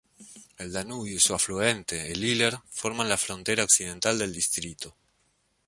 El Danubio y su afluente, el Iller, forma la frontera occidental del distrito.